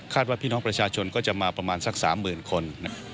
ว่าพี่น้องประชาชนก็จะมาประมาณสัก๓๐๐๐คน